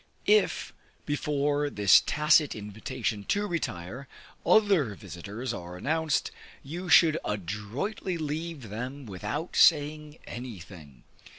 If, before this tacit invitation to retire, other visiters are announced, you should adroitly leave them without saying anything.